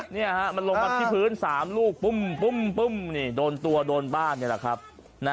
นี่มันลงมาที่พื้น๓ลูกปุ้มโดนตัวโดนบ้าน